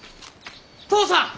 父さん！